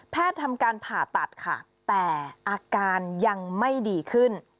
ทำการผ่าตัดค่ะแต่อาการยังไม่ดีขึ้น